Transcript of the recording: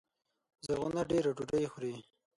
زرغونه دېره ډوډۍ خوري